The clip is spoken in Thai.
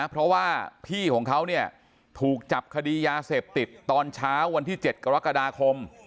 เพราะว่าพี่ของเขาเนี่ยถูกจับคดียาเสพติดตอนเช้าวันที่๗กรกฎาคม